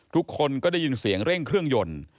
ทุกคนก็ได้ยินเสียงเร่งเครื่องยนต์